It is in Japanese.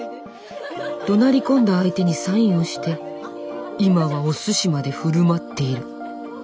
どなり込んだ相手にサインをして今はおすしまで振る舞っている。